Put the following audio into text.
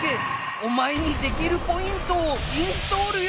おまえにできるポイントをインストールよ！